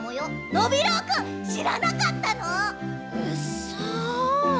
ノビローくんしらなかったの⁉うっそ！